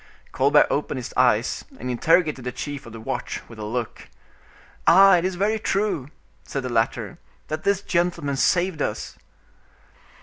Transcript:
Colbert opened his eyes and interrogated the chief of the watch with a look—"Ah! it is very true," said the latter, "that this gentleman saved us."